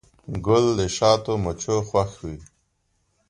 ګل د شاتو مچیو خوښ وي.